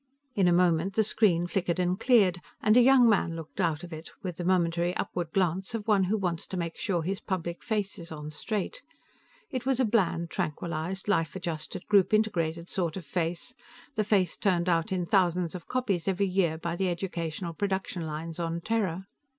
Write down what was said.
In a moment, the screen flickered and cleared, and a young man looked out of it, with the momentary upward glance of one who wants to make sure his public face is on straight. It was a bland, tranquilized, life adjusted, group integrated sort of face the face turned out in thousands of copies every year by the educational production lines on Terra.